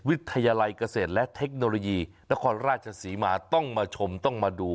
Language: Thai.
วิทยาลัยเกษตรและเทคโนโลยีนครราชศรีมาต้องมาชมต้องมาดู